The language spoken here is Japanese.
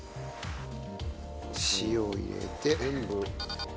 塩入れて。